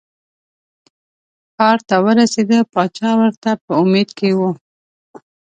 ښار ته ورسېده پاچا ورته په امید کې و.